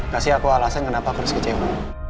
kasih aku alasan kenapa aku harus kecewa